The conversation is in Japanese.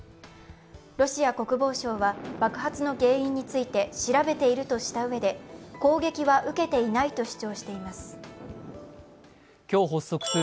ロシア国防省は爆発の原因について調べているとしたうえで攻撃は受けていないと主張しています。